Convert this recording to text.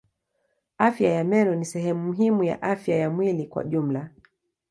Afya ya meno ni sehemu muhimu ya afya ya mwili kwa jumla.